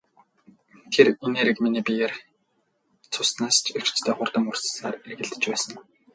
Тэр энерги миний биеэр цуснаас ч эрчтэй хурдан урсан эргэлдэж байсан.